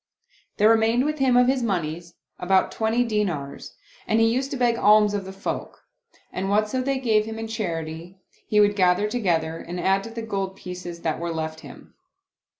There remained with him of his moneys about twenty dinars and he used to beg alms of the folk, and whatso they gave him in charity he would gather together and add to the gold pieces that were left him.